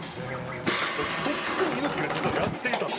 だからとっくに猪木が実はやっていたっていう。